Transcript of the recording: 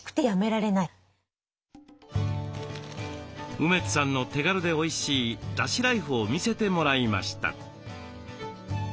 梅津さんの手軽でおいしいだしライフを見せてもらいました。